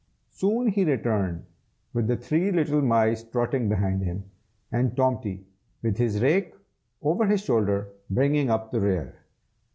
Soon he returned, with the three little mice trotting behind him, and Tomty, with his rake over his shoulder, bringing up the rear.